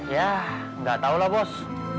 yah nggak tahulah bos